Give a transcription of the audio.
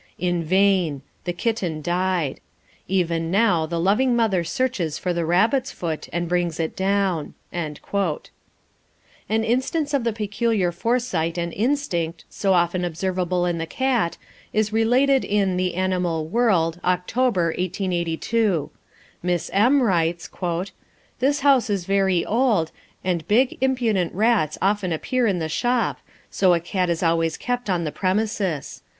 In vain; the kitten died. Even now the loving mother searches for the rabbit's foot, and brings it down." An instance of the peculiar foresight and instinct, so often observable in the cat, is related in The Animal World, October, 1882. Miss M. writes: "This house is very old, and big impudent rats often appear in the shop, so a cat is always kept on the premises.